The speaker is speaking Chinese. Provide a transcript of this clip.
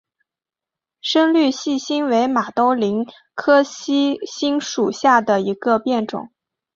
深绿细辛为马兜铃科细辛属下的一个变种。